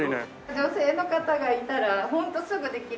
女性の方がいたらホントすぐできる。